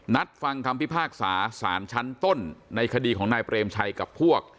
นัดฟังคำพิพากษาสารชั้นต้นในคดีของนายเปรมชัยกับพวก